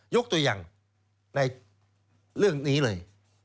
ยกตัวอย่างในเรื่องนี้เลย